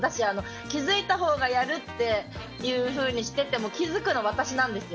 気づいたほうがやるっていうふうにしてても気づくの私なんですよ